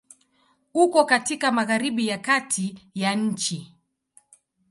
Uko katika Magharibi ya Kati ya nchi.